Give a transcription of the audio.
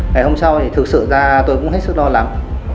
ngày hôm sau thì thực sự ra tôi cũng hết sức lo lắng